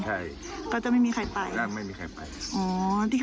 ใช่ก็จะไม่มีใครไปไม่มีใครไป